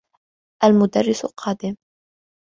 المدرّس قادم.